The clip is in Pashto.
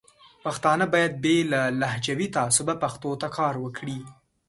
پښتانه باید بې له لهجوي تعصبه پښتو ته کار وکړي.